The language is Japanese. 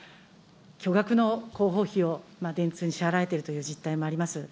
巨額の広報費を電通に支払われているという実態もあります。